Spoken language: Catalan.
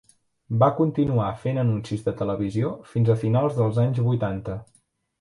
Va continuar fent anuncis de televisió fins a finals dels anys vuitanta.